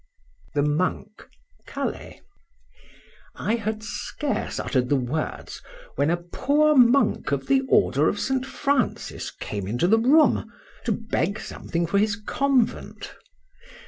THE MONK. CALAIS. I HAD scarce uttered the words, when a poor monk of the order of St. Francis came into the room to beg something for his convent.